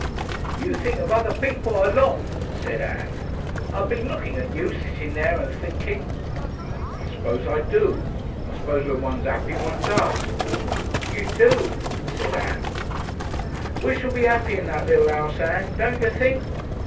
"You think of other people a lot," said Ann. "I been looking at you sittin' there and thinking." "I suppose I do. I suppose when one's 'appy one does." "You do," said Ann. "We shall be 'appy in that little 'ouse, Ann. Don't y' think?"